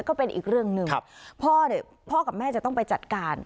ก็เป็นอีกเรื่องหนึ่งครับพ่อเนี่ยพ่อกับแม่จะต้องไปจัดการ